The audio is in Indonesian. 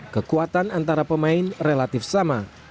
kekuatan antara pemain relatif sama